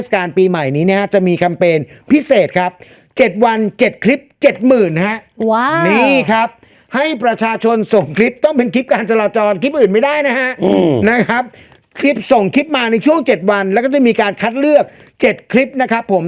คลิปส่งคลิปมาในช่วงเจ็ดวันแล้วก็จะมีการคัดเลือกเจ็ดคลิปนะครับผม